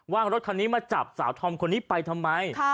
ว่างรถคันนี้มาจับสาวธอมคนนี้ไปทำไม